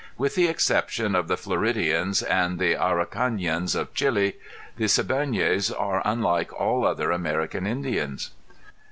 With the exception of the Floridians and the Araucanians of Chile; the Siboneyes are unlike all other American Indians.